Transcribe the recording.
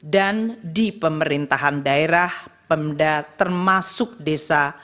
dan di pemerintahan daerah pemda termasuk desa